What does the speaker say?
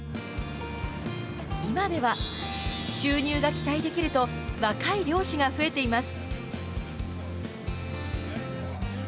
今では収入が期待できると若い漁師が増えています。